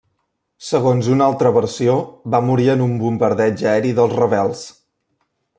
Segons una altra versió, va morir en un bombardeig aeri dels rebels.